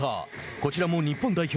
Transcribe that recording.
こちらも日本代表